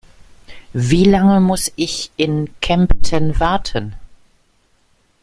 Wie lange muss ich in Kempten warten?